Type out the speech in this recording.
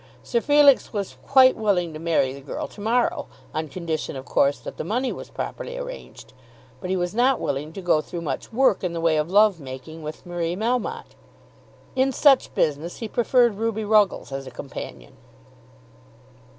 Sir Felix was quite willing to marry the girl to morrow, on condition of course that the money was properly arranged; but he was not willing to go through much work in the way of love making with Marie Melmotte. In such business he preferred Ruby Ruggles as a companion.